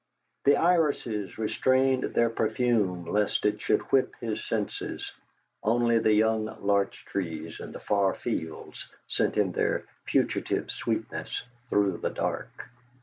The irises restrained their perfume lest it should whip his senses; only the young larch trees and the far fields sent him their fugitive sweetness through the dark.